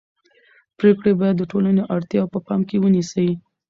پرېکړې باید د ټولنې اړتیاوې په پام کې ونیسي